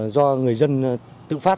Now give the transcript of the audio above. do người dân tự phát